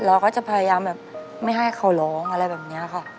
เราก็จะพยายามแบบไม่ให้เขาร้องอะไรแบบนี้ค่ะ